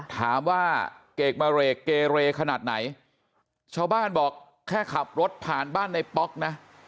ถามว่าเกรกมาเรกเกเรขนาดไหนชาวบ้านบอกแค่ขับรถผ่านบ้านในป๊อกนะ